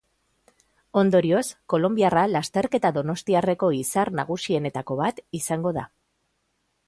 Ondorioz, kolonbiarra lasterketa donostiarreko izar nagusienetako bat izango da.